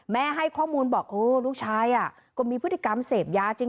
ให้ข้อมูลบอกโอ้ลูกชายก็มีพฤติกรรมเสพยาจริง